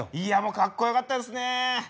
いやもうかっこよかったですね。